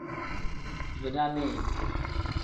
Bina nii.